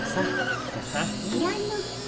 いらぬ。